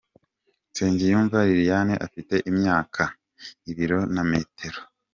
Nsengiyumva Liliane afite imyaka , ibiro na metero .